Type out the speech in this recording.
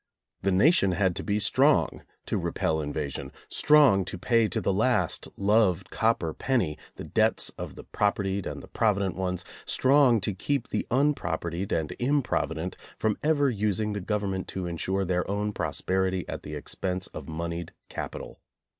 The nation had to be strong to repel invasion, strong to pay to the last loved copper penny the debts of the propertied and the provident ones, strong to keep the unpropertied and improvident from ever using the government to ensure their own prosperity at the expense of moneyed capital.